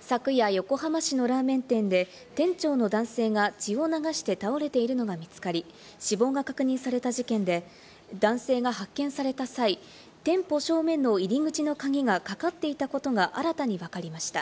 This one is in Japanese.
昨夜、横浜市のラーメン店で、店長の男性が血を流して倒れているのが見つかり、死亡が確認された事件で、男性が発見された際、店舗正面の入り口の鍵がかかっていたことが新たにわかりました。